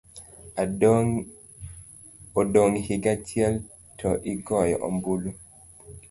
Odong' higa achiel to igoyo ombulu.